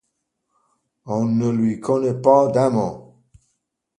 On ne lui connaît pas d'amant.